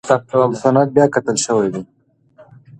سند بیاکتل شوی و.